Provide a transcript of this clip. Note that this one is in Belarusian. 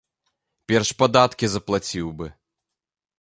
Перш падаткі заплаціў бы.